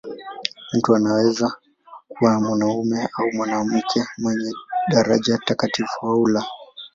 Mtawa anaweza kuwa mwanamume au mwanamke, mwenye daraja takatifu au la.